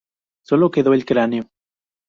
Sólo quedó el cráneo.